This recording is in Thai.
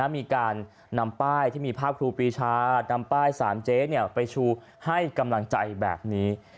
มีการนำป้ายที่มีภาพครูปีชานำป้ายสารเจ๊ไปชูให้กำลังใจแบบนี้